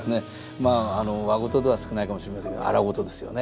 まあ和事では少ないかもしれませんけど荒事ですよね。